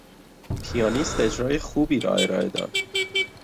پیانیست اجرای خوبی را ارائه داد.